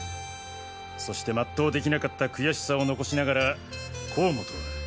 そして全うできなかった悔しさを残しながら甲本は。